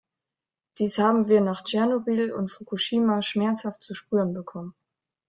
Dies haben wir nach Tschernobyl und Fukushima schmerzhaft zu spüren bekommen.